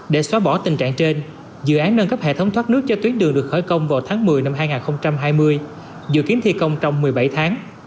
để xóa bỏ tình trạng trên dự án nâng cấp hệ thống thoát nước cho tuyến đường được khởi công vào tháng một mươi năm hai nghìn hai mươi dự kiến thi công trong một mươi bảy tháng